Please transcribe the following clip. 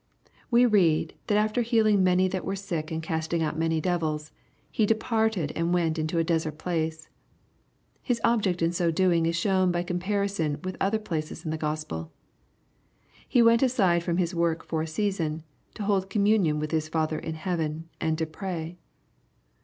We read, that after healing many that were sick and casting out many devils, ^' he departed and went into a desert place.'* His object in so doing is shown by comparison with other places in the Gospels. He went aside from His work for a season, to hold communion with His Father in heaven, and to pray.